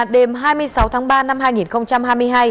đêm hai mươi sáu tháng ba năm hai nghìn hai mươi hai